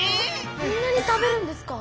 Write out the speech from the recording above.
そんなに食べるんですか。